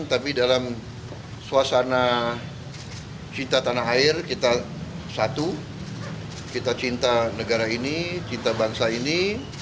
tapi dalam suasana cinta tanah air kita satu kita cinta negara ini cinta bangsa ini